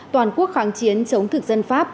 toàn quốc kháng chiến chống thực dân pháp